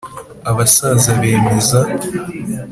abasaza bemeza